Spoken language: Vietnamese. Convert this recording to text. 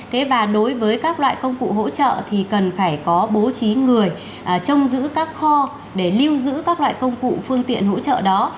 thế và đối với các loại công cụ hỗ trợ thì cần phải có bố trí người trông giữ các kho để lưu giữ các loại công cụ phương tiện hỗ trợ đó